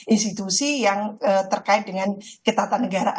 institusi yang terkait dengan ketatanegaraan